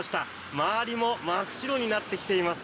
周りも真っ白になってきています。